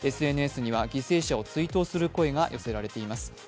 ＳＮＳには犠牲者を追悼する声が寄せられています。